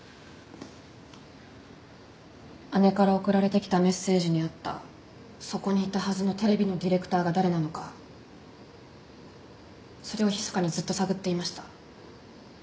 姉から送られてきたメッセージにあったそこにいたはずのテレビのディレクターが誰なのかそれをひそかにずっと探っていました。